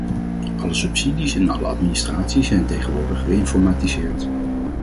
Alle subsidies en alle administratie zijn tegenwoordig geïnformatiseerd.